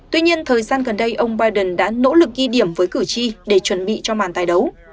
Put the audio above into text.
tuy nhiên thời gian gần đây ông biden đã nỗ lực ghi điểm với cử tri